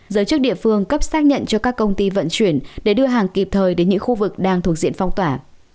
giới chức địa phương cấp xác nhận cho các công ty vận chuyển để đưa hàng kịp thời đến những khu vực đang thuộc diện phong tỏa